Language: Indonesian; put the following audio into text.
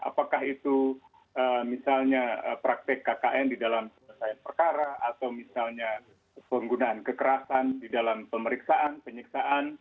apakah itu misalnya praktek kkn di dalam perusahaan perkara